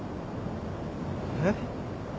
えっ？